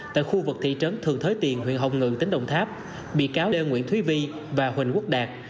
tại khu vực thị trấn thường thới tiền huyện hồng ngự tỉnh đồng tháp bị cáo đê nguyễn thúy vi và huỳnh quốc đạt